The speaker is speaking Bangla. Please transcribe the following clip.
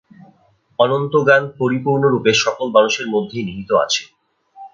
অনন্ত জ্ঞান পরিপূর্ণরূপে সকল মানুষের মধ্যেই নিহিত আছে।